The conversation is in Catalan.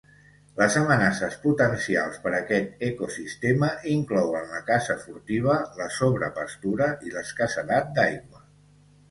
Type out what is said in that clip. Les amenaces potencials per aquest ecosistema inclouen la caça furtiva, la sobrepastura i l'escassedat d'aigua.